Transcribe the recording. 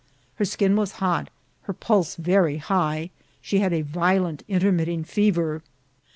Her skin was hot, her pulse v^ry high ; she had a vicdent intermitting fever.